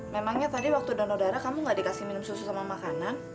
memangnya tadi waktu donor darah kamu gak dikasih minum susu sama makanan